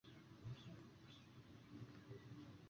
这段近亲恋情遭到双方家长的强烈反对。